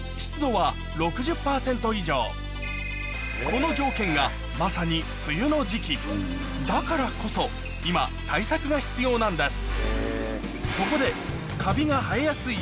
この条件がまさに梅雨の時期だからこそ今対策が必要なんです